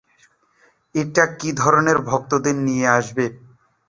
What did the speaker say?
এটা কি ধরনের ভক্তদের নিয়ে আসবে?